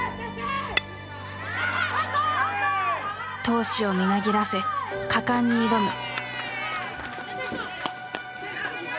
闘志をみなぎらせ果敢に挑む。